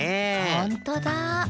ほんとだ。